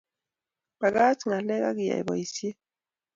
Bakaach ngalek agiyai boisiet